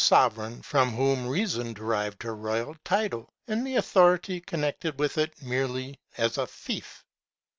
sovereign from whom Reason derived her royal title and the autViority connected with it, merely as a fief.